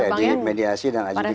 iya di mediasi dan adjudikasi